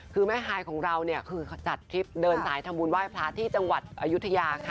คือแม่ไทยของเรานี่คือจัดทริปเดินสายธรรมด์ว่ายพระที่จังหวัดอยุธยาค่ะ